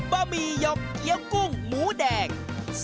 บะหมี่หยกเกี้ยวกุ้งหมูแดง